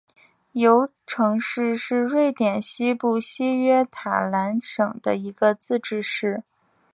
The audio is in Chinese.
尤城市是瑞典西部西约塔兰省的一个自治市。